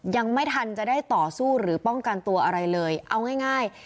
ยังไม่ทันจะได้ต่อสู้หรือป้องกันตัวอะไรเลยเอาง่าย